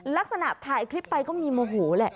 ลักษณะถ่ายคลิปไปก็มีโมโหแหละ